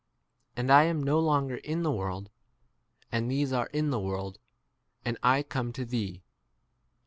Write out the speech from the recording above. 11 And I am no longer in the world, and these are in the world, and I '» T. E.